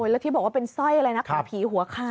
แล้วที่บอกว่าเป็นสร้อยอะไรนะเป็นผีหัวขาด